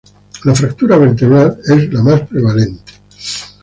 La fractura vertebral es la más prevalente.